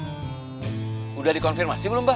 sudah dikonfirmasi belum abah